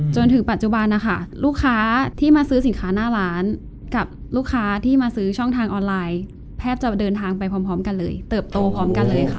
จนถึงปัจจุบันนะคะลูกค้าที่มาซื้อสินค้าหน้าร้านกับลูกค้าที่มาซื้อช่องทางออนไลน์แทบจะเดินทางไปพร้อมกันเลยเติบโตพร้อมกันเลยค่ะ